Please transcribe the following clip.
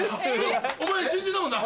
お前新人だもんな。